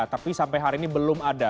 tapi sampai hari ini belum ada